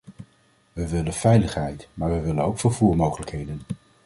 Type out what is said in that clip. We willen veiligheid, maar we willen ook vervoermogelijkheden.